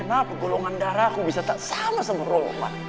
kenapa golongan darah aku bisa tak sama sama roh om man